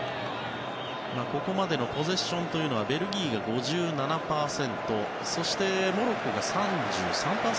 ここまでのポゼッションはベルギーが５７％そしてモロッコが３３％。